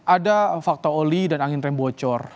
ada fakta oli dan angin rem bocor